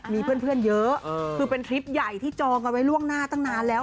มีเพื่อนเยอะคือเป็นทริปใหญ่ที่จองกันไว้ล่วงหน้าตั้งนานแล้ว